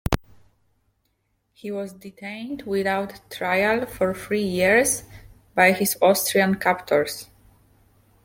He was detained without trial for three years by his Austrian captors.